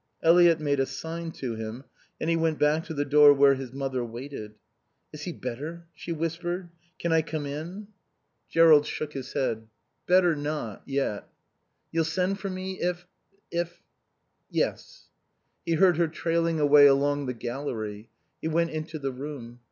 Eliot made a sign to him and he went back to the door where his mother waited. "Is he better?" she whispered. "Can I come in?" Jerrold shook his head. "Better not yet." "You'll send for me if if " "Yes." He heard her trailing away along the gallery. He went into the room.